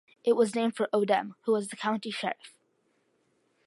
It was named for Odem, who was the county sheriff.